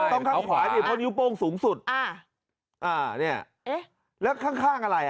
ข้างขวานี่เพราะนิ้วโป้งสูงสุดอ่าอ่าเนี่ยเอ๊ะแล้วข้างข้างอะไรอ่ะ